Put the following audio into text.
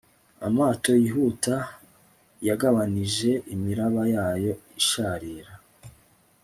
amato yihuta yagabanije imiraba yayo isharira